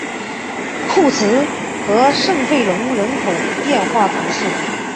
库兹和圣弗龙人口变化图示